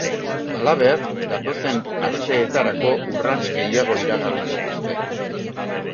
Halaber, datozen asteetarako urrats gehiago iragarri dituzte.